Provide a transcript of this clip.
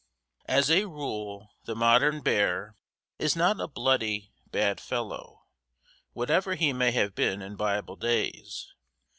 As a rule, the modern bear is not a bloody, bad fellow, whatever he may have been in Bible days.